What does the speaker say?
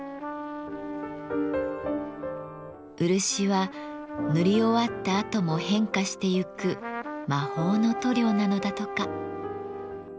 漆は塗り終わったあとも変化してゆく魔法の塗料なのだとか。